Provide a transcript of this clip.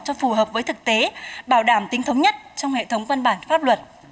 cho phù hợp với thực tế bảo đảm tính thống nhất trong hệ thống văn bản pháp luật